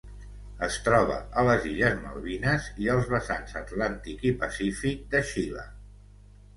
Es troba a les illes Malvines i els vessants atlàntic i pacífic de Xile.